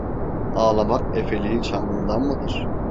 Ağlamak efeliğin şanından mıdır?